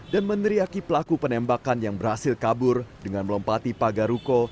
dan meneriaki pelaku penembakan yang berhasil kabur dengan melompati pagar ruko